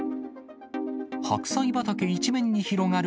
白菜畑一面に広がる